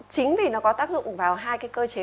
chính vì nó có tác dụng vào hai cái cơ chế